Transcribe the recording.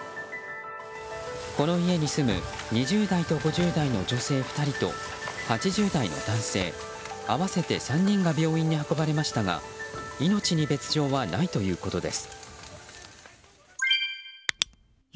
この家に住む２０代と５０代の女性２人と８０代の男性、合わせて３人が病院に運ばれましたが命に別条はないということです。